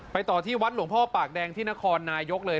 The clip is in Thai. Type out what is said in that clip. ต่อที่วัดหลวงพ่อปากแดงที่นครนายกเลย